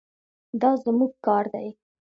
دا زموږ کار دی.